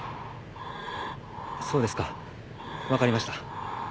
そうですか分かりました。